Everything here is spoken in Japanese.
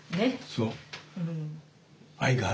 そう。